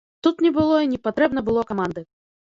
Тут не было і не патрэбна было каманды.